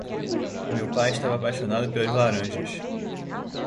Meu pai estava apaixonado pelas laranjas.